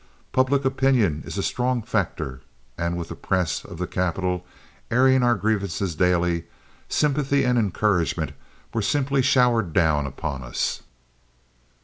Public opinion is a strong factor, and with the press of the capital airing our grievances daily, sympathy and encouragement were simply showered down upon us.